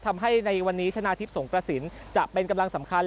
ทำให้ในวันนี้ชนะทิพย์สงกระสินจะเป็นกำลังสำคัญ